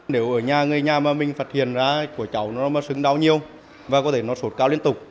nếu ở nhà người nhà mà mình phát hiện ra của cháu nó xứng đau nhiều và có thể nó sột cao liên tục